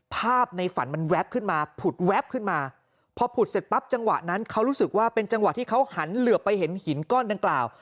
ภาพในฝันมันแวบขึ้นมาผุดแว๊บขึ้นมาพอผุดเสร็จปั๊บจังหวะนั้นเขารู้สึกว่าเป็นจังหวะที่เขาหันเหลือบไปเห็นหินก้อนดังกล่าว